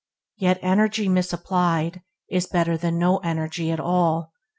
Yet energy misapplied is better than no energy at all.